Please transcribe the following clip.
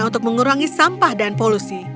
untuk mengurangi sampah dan polusi